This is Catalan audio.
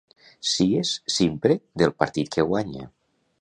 Sies sempre del partit que guanya.